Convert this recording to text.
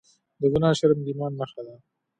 د ګناه شرم د ایمان نښه ده.